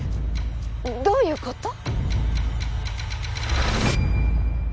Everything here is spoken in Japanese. どういうこと？